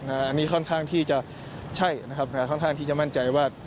อันนี้ค่อนข้างที่จะใช่นะครับอ่าค่อนข้างที่จะมั่นใจว่า